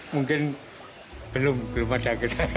mungkin belum ada